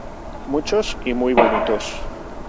Muchos y muy bonitos.